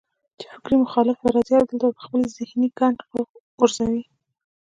چې فکري مخالف به راځي او دلته به خپل ذهني ګند غورځوي